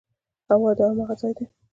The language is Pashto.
هو، دا هماغه ځای ده